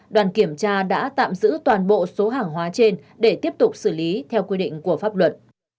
đoàn kiểm tra đã tạm giữ toàn bộ số hàng hóa trên để tiếp tục xử lý theo quy định của pháp luật